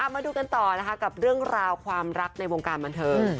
มาดูกันต่อนะคะกับเรื่องราวความรักในวงการบันเทิง